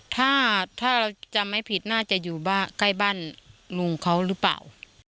ถ้าถ้าเราจำไม่ผิดน่าจะอยู่ใกล้บ้านลุงเขาหรือเปล่า